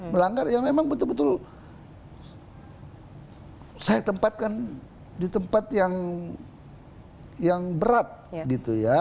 melanggar yang memang betul betul saya tempatkan di tempat yang berat gitu ya